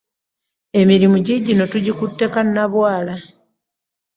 Emirimu giigino tugikutte kannabwala.